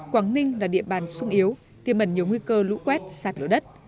quảng ninh là địa bàn sung yếu tiêm ẩn nhiều nguy cơ lũ quét sạt lửa đất